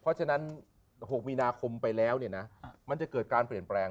เพราะฉะนั้น๖มีนาคมไปแล้วมันจะเกิดการเปลี่ยนแปลง